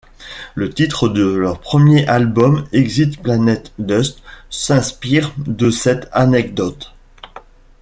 Le titre de leur premier album, Exit Planet Dust, s'inspire de cette anecdote.